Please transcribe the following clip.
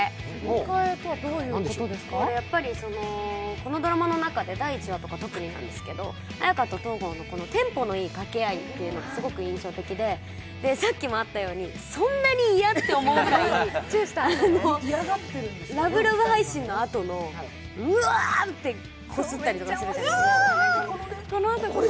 このドラマの中で第１話とか特になんですけど、綾華と東郷のテンポのいい掛け合いが見頃でさっきもあったようにそんなに嫌と思わないラブラブ配信のあとのうわってこすったりするじゃないですか。